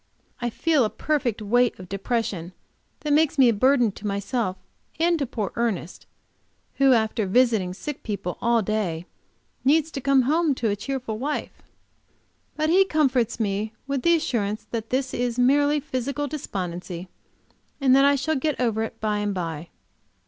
I feel a perfect weight of depression that makes me a burden to myself and to poor Ernest, who, after visiting sick people all day, needs to come home to a cheerful wife. But he comforts me with the assurance that this is merely physical despondency, and that I shall get over it by and by.